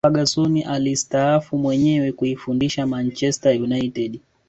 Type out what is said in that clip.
ferguson alistaafu mwenyewe kuifundisha manchester united